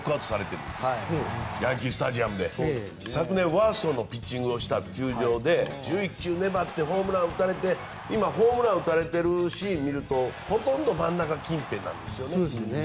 昨年ワーストのピッチングをした球場で１１球粘ってホームランを打たれて今、ホームランを打たれているシーンを見るとほとんど真ん中近辺なんですよね。